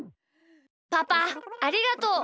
パパありがとう！